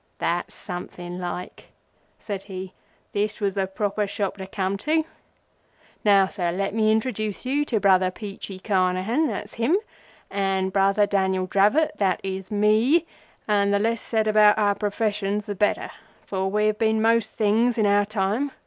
"That's something like," said he. "This was the proper shop to come to. Now, Sir, let me introduce to you Brother Peachey Carnehan, that's him, and Brother Daniel Dravot, that is me, and the less said about our professions the better, for we have been most things in our time.